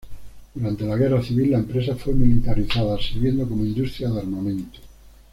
Durante la Guerra Civil, la empresa fue militarizada sirviendo como industria de armamento.